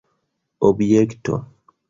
objekto